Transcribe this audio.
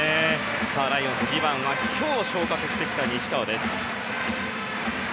ライオンズ２番は今日昇格してきた西川です。